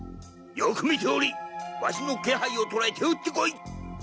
よく見ておれわしの気配をとらえて打ってこい！